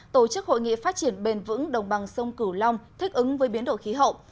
tổ chức hội nghị phát triển bền vững đồng bằng sông cửu long thích ứng với biến đổi khí hậu